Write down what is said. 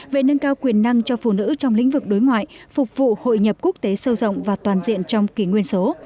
về nâng cao quyền năng cho phụ nữ trong lĩnh vực đối ngoại phục vụ hội nhập quốc tế sâu rộng và toàn diện trong kỳ nguyên số